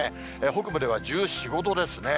北部では１４、５度ですね。